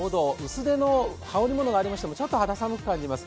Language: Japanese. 薄手の羽織るものがありましてもちょっと肌寒く感じます。